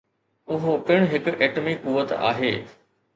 اهو پڻ هڪ ايٽمي قوت آهي.